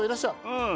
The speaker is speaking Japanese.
うん。